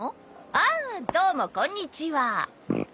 ああどうもこんにちは。